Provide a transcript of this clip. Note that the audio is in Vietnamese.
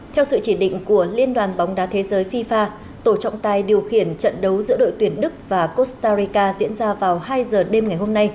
theo sự chỉ định của liên đoàn bóng đá thế giới fifa tổ trọng tài điều khiển trận đấu giữa đội tuyển đức và costareka diễn ra vào hai giờ đêm ngày hôm nay